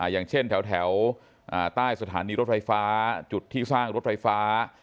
อย่างเช่นแถวใต้สถานีรถไฟฟ้าจุดที่สร้างรถไฟฟ้า